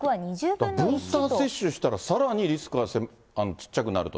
ブースター接種したら、さらにリスクが小っちゃくなると。